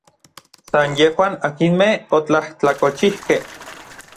San yejuan akinmej otlajtlakolchijkej.